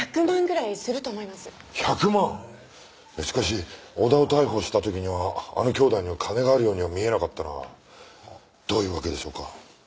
いやしかし小田を逮捕した時にはあの兄妹には金があるようには見えなかったがどういうわけでしょうか？